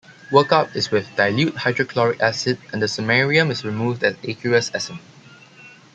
Work-up is with dilute hydrochloric acid, and the samarium is removed as aqueous Sm.